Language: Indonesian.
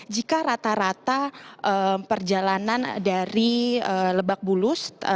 jika rata rata perjalanan dari lebak bulus